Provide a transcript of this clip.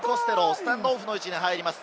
スタンドオフの位置に入ります。